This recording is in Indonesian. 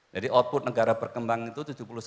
jadi output negara berkembang itu